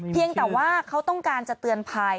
เพียงแต่ว่าเขาต้องการจะเตือนภัย